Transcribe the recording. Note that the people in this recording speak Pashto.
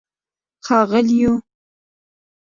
ښاغلیو